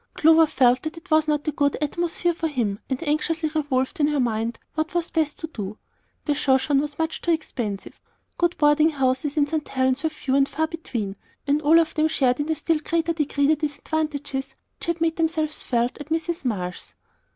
Clover felt that it was not a good atmosphere for him, and anxiously revolved in her mind what was best to do. The Shoshone was much too expensive; good boarding houses in St. Helen's were few and far between, and all of them shared in a still greater degree the disadvantages which had made themselves felt at Mrs. Marsh's.